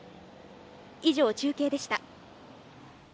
以上、中継でした。